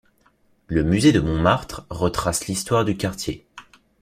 Le musée de Montmartre retrace l’histoire du quartier.